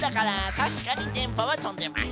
たしかにでんぱはとんでます。